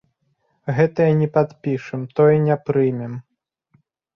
Гэтае не падпішам, тое не прымем.